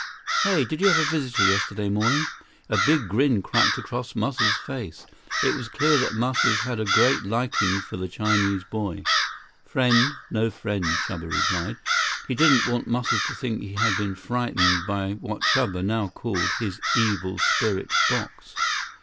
Hey, did you have a visitor yesterday morning?" A big grin cracked across Muscles' face. It was clear that Muscles had a great liking for the Chinese boy. "Friend? No friend," Chuba replied. He didn't want Muscles to think he had been frightened by what Chuba now called his Evil Spirit Box.